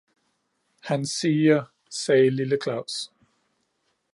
"Han siger," sagde lille Claus.